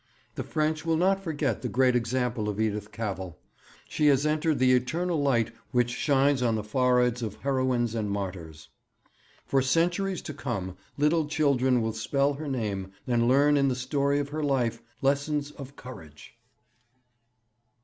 The French will not forget the great example of Edith Cavell. She has entered the eternal light which shines on the foreheads of heroines and martyrs. For centuries to come little children will spell her name, and learn in the story of her life lessons of courage.'